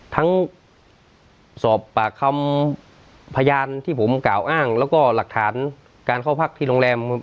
ทั้งสอบปากคำพยานที่ผมกล่าวอ้างแล้วก็หลักฐานการเข้าพักที่โรงแรม